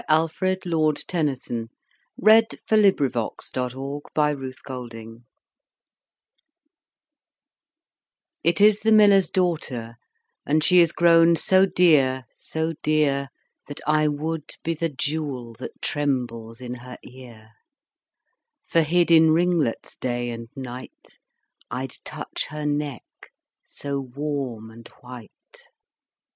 Alfred Tennyson, Lord Tennyson. 1809–1892 701. The Miller's Daughter IT is the miller's daughter, And she is grown so dear, so dear, That I would be the jewel That trembles in her ear: For hid in ringlets day and night, 5 I'd touch her neck so warm and white.